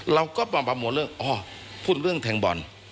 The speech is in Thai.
เราก็ประมวลเรื่องอ๋อพูดเรื่องแทงบอล